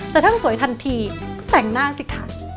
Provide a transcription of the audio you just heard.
แต่ถ้าสวยทันทีแต่งหน้าสิคะ